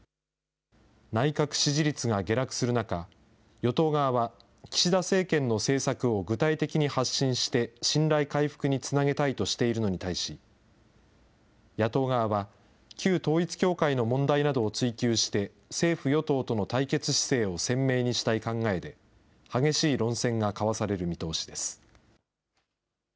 内閣支持率が下落する中、与党側は、岸田政権の政策を具体的に発信して信頼回復につなげたいとしているのに対し、野党側は、旧統一教会の問題などを追及して、政府・与党との対決姿勢を鮮明にしたい考えで、激しい論戦が交わされる見通しです。